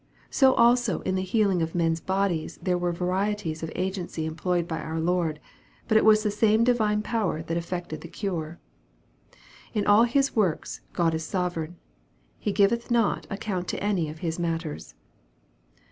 So also in the healing of men's bodies there were varieties of agency employed by our Lord, but it was the same divine power that effected the cure. In all His works G od is a sovereign. He giveth not ac count of any of His matters.